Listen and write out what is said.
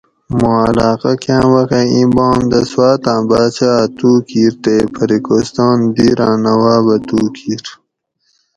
مُوں علاقہ کاۤں واخہ اِیں بام دہ سواۤتاۤں باچاۤ اۤ تُو کِیر تے پھری کوہستان دیر اۤں نواب اۤ تُو کِیر